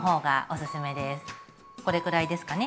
これくらいですかね。